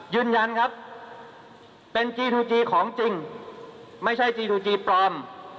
ยืนยันครับเป็นจีทูจีของจริงไม่ใช่จีทูจีปลอม